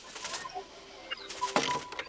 ছুটি কাটান শহরের রাস্তায় রাস্তায় ঘুরে ঘুরে।